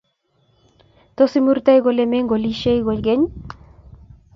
Tos, imurti kole mengolishei kogeny?